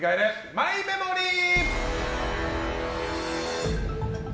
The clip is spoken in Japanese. マイメモリー！